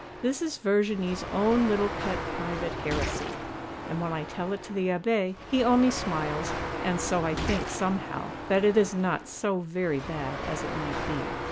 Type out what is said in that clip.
This is Verginie's own little pet private heresy, and when I tell it to the Abbé, he only smiles; and so I think, somehow, that it is not so very bad as it might be.